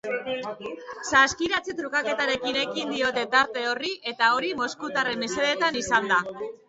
Saskiratze trukaketarekin ekin diote tarte horri, eta hori moskutarren mesedetan izan da.